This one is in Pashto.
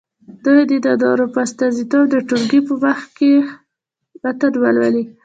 دوی دې د نورو په استازیتوب د ټولګي په مخکې متن ولولي.